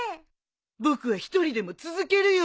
僕は１人でも続けるよ。